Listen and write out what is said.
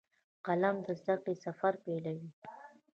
قلم د زده کړې سفر پیلوي